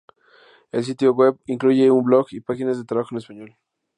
El sitio web incluye un blog y páginas de trabajo en español.